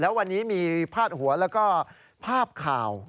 แล้ววันนี้มีพาดหัวแล้วก็ภาพข่าว